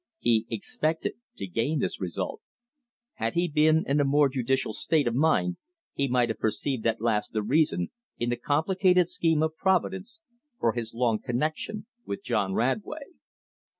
He expected to gain this result. Had he been in a more judicial state of mind he might have perceived at last the reason, in the complicated scheme of Providence, for his long connection with John Radway.